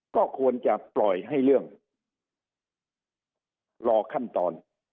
ก็ควรจะปล่อยให้เรื่องรอขั้นตอน